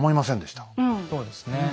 そうですね。